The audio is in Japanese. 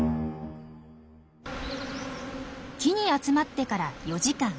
木に集まってから４時間。